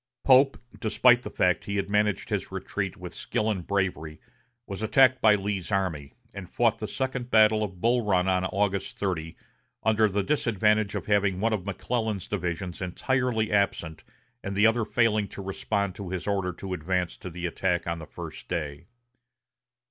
Pope, despite the fact that he had managed his retreat with skill and bravery, was attacked by Lee's army, and fought the second battle of Bull Run on August 30, under the disadvantage of having one of McClellan's divisions entirely absent and the other failing to respond to his order to advance to the attack on the first day.